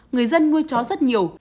người dân nuôi chó rất nhiều